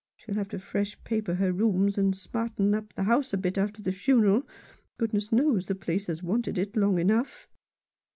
She'll have to fresh paper her rooms, and smarten up the house a bit after the funeral. Goodness knows, the place has wanted it long enough."